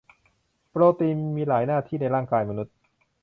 โปรตีนมีหลายหน้าที่ในร่ายกายมนุษย์